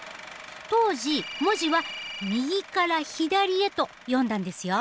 当時文字は右から左へと読んだんですよ。